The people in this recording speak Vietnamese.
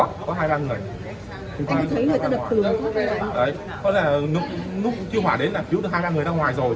anh có thấy người ta đập tường không đấy có là lúc kêu hỏa đến là cứu được hai ba người ra ngoài rồi